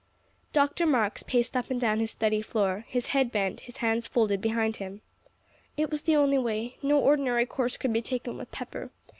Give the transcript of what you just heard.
Dr. Marks paced up and down his study floor, his head bent, his hands folded behind him. "It was the only way. No ordinary course could be taken with Pepper.